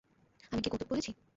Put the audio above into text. আমি কি কৌতুক বলেছি?